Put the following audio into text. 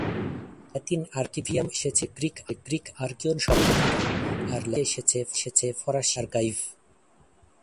Latin ‘আর্কিভিয়াম’ এসেছে Greek আর্কিয়ন শব্দ থেকে, আর ল্যাতিন থেকে এসেছে ফরাসি ল্যা-আর্কাইভ।